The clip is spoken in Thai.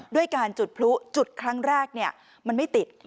ด้วยการจุดพลุจุดครั้งแรกมันไม่ติด